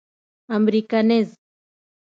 امريکنز.